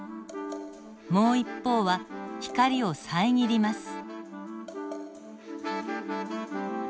もう一方は光を遮ります。